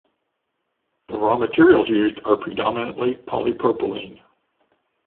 The raw materials used are predominantly polypropylene.